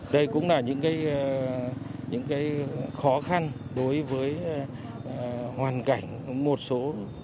đây cũng là những khó khăn đối với hoàn cảnh một số